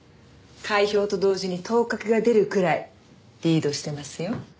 開票と同時に当確が出るくらいリードしてますよ。